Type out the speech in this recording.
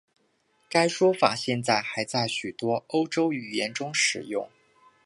该说法现在还在许多欧洲语言中使用。